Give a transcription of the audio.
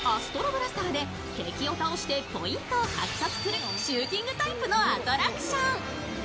ブラスターで敵を倒してポイントを獲得するシューティングタイプのアトラクション。